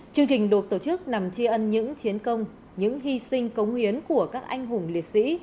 chương trình được tổ chức nằm chia ân những chiến công những hy sinh cống hiến của các anh hùng liệt sĩ